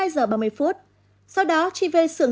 sau đó chị về sửa